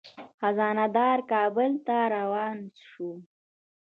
خزانه دار کابل ته روان شو.